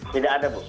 tidak ada bu